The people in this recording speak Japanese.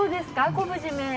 昆布じめ。